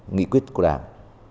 nghị quyết của đảng